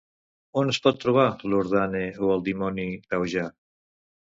On es pot trobar Lurdane o el dimoni taujà?